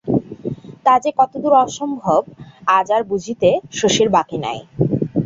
তা যে কতদূর অসম্ভব আজ আর বুঝিতে শশীর বাকি নাই।